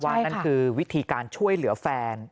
นั่นคือวิธีการช่วยเหลือแฟน